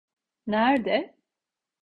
Nerde?